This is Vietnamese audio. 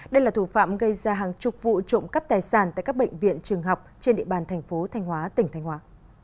đây là thủ phạm gây ra hàng chục vụ trộm cắp tài sản tại các bệnh viện trường học trên địa bàn thành phố thanh hóa tỉnh thanh hóa